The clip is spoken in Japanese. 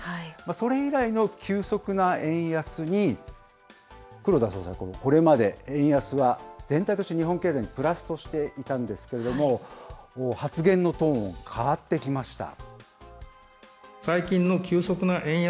それ以来の急速な円安に黒田総裁、これまで円安は、全体として日本経済にプラスとしていたんですけれども、発言のトーン、変わってきました。